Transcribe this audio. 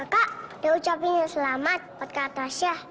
kakak udah ucapin selamat buat kak tasya